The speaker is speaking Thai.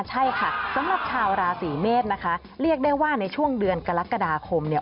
ใช่ค่ะสำหรับชาวราศีเมษนะคะเรียกได้ว่าในช่วงเดือนกรกฎาคมเนี่ย